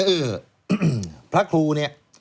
เออพระครูเนี่ย